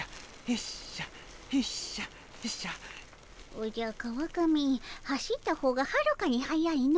おじゃ川上走った方がはるかに速いの。